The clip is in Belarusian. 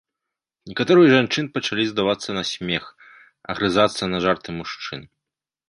Некаторыя з жанчын пачалі здавацца на смех, агрызацца на жарты мужчын.